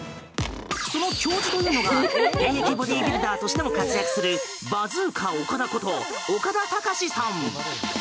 その教授というのが現役ボディービルダーとしても活躍するバズーカ岡田こと岡田隆さん！